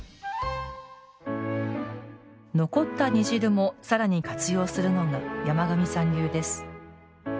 残った煮汁もさらに活用するのが山上さん流です。